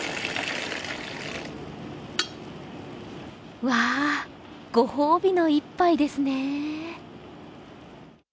うわぁ、ご褒美の１杯ですね。